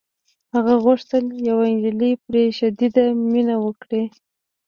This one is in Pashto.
هغه غوښتل یوه نجلۍ پرې شدیده مینه وکړي